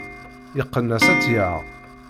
Yeqqen-as ad tt-yaɣ.